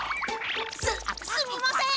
すすみません！